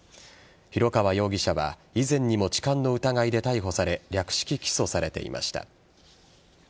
広川容疑者は以前にも痴漢の疑いで逮捕され略式起訴されていました。